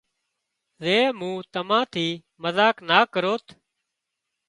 زي مُون تمان ٿِي مزاق نا ڪروت